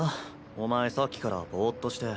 お前さっきからぼうっとして。